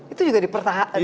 itu juga mulai dipertahankan